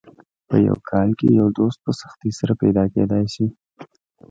په یو کال کې یو دوست په سختۍ سره پیدا کېدای شي.